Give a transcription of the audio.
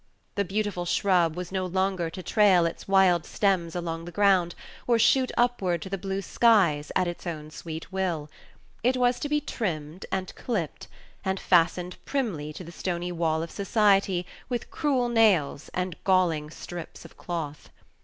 The beautiful shrub was no longer to trail its wild stems along the ground, or shoot upward to the blue skies at its own sweet will; it was to be trimmed, and clipped, and fastened primly to the stony wall of society with cruel nails and galling strips of cloth.